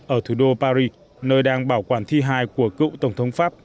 ở thủ đô paris nơi đang bảo quản thi hài của cựu tổng thống pháp